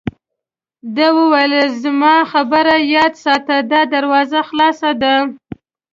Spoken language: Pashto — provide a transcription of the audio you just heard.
ده وویل: زما خبره یاد ساته، دا دروازه خلاصه ده.